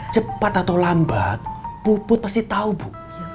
cepat atau lambat puput pasti tahu bu